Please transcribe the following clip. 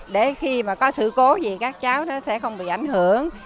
để khi mà có sự cố gì các cháu nó sẽ không bị ảnh hưởng